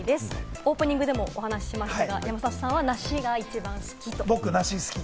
オープニングでもお話しましたが、山里さんは梨が僕、梨好き！